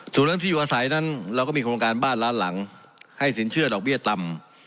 ส่วนเรื่องที่อยู่อาศัยนั้นเราก็มีโครงการบ้านล้านหลังให้สินเชื่อดอกเบี้ยต่ำ